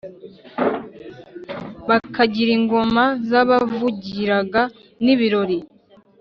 bakagira ingoma zabavugiraga, n’ibirori